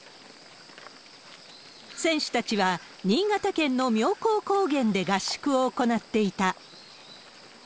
選手たちは新潟県の妙高高原で合宿を行っていた。